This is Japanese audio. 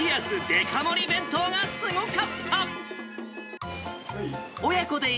デカ盛り弁当がすごかった。